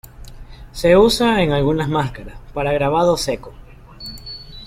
Se usa en algunas máscaras para grabado seco.